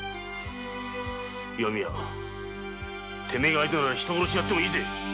てめえが相手なら人殺しをやってもいいぜ！